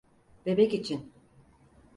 Bebek için.